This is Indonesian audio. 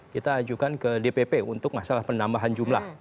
kita ajukan ke dpp untuk masalah penambahan jumlah